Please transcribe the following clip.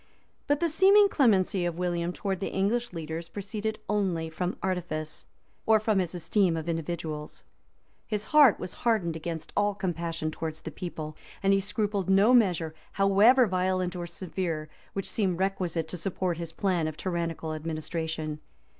} But the seeming clemency of William toward the English leaders, proceeded only from artifice, or from his esteem of individuals: his heart, was hardened against all compassion towards the people, and he scrupled no measure, however violent or severe, which seemed requisite to support his plan of tyrannical administration.